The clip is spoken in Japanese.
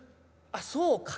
あっそうか。